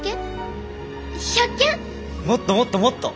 もっともっともっと！